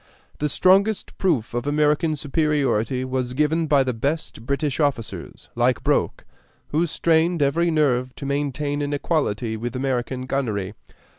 The strongest proof of American superiority was given by the best British officers, like Broke, who strained every nerve to maintain an equality with American gunnery.